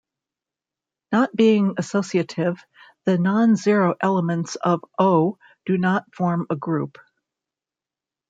Not being associative, the nonzero elements of O do not form a group.